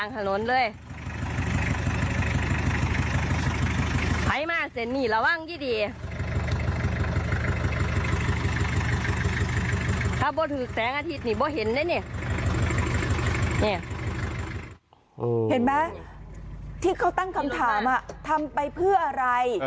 เห็นไหมที่เขาตั้งคำถามทำไปเพื่ออะไร